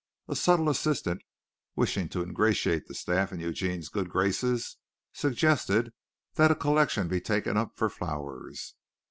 A subtle assistant, wishing to ingratiate the staff in Eugene's good graces, suggested that a collection be taken up for flowers.